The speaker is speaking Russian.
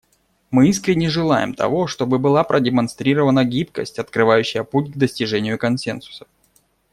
Мы искренне желаем того, чтобы была продемонстрирована гибкость, открывающая путь к достижению консенсуса.